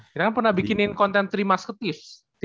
kita kan pernah bikinin konten trimasketif